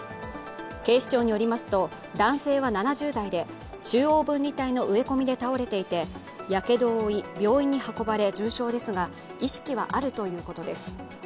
警視庁によりますと、男性は７０代で中央分離帯の植え込みで倒れていてやけどを負い病院に運ばれ重傷ですが、意識はあるということです。